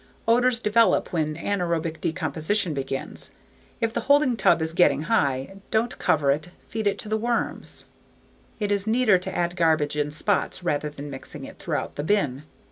Odors develop when anaerobic decomposition begins. If the holding tub is getting high, don't cover it, feed it to the worms. It is neater to add garbage in spots rather than mixing it throughout the bin.